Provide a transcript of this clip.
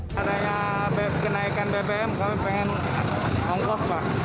karena kenaikan bbm kami ingin ongkos